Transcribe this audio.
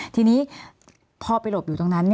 ทีนี้พอไปหลบอยู่ตรงนั้น